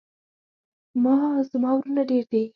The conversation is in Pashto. زما ورونه ډیر دي